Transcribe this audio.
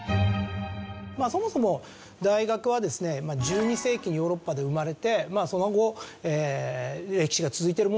そもそも大学はですね１２世紀にヨーロッパで生まれてその後歴史が続いているものだとこういわれてるんですけれども。